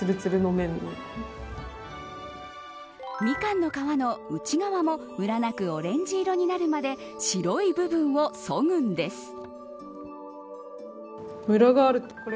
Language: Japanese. ミカンの皮の内側もムラなくオレンジ色になるまで白い部分をそぐんです。